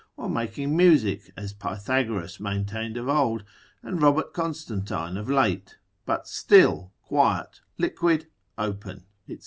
or making music, as Pythagoras maintained of old, and Robert Constantine of late, but still, quiet, liquid, open, &c.